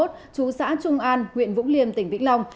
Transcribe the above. trú xã trung an huyện vũng liêm tỉnh vĩnh long